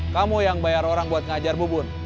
kamu yang bayar orang buat ngajar bubun